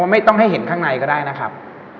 ไม่ต้องให้เห็นข้างในก็ได้นะครับ